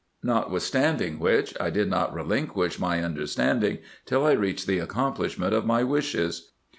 Notwithstanding which, I did not relin quish jny undertaking, till I reached the accomplishment of my wishes.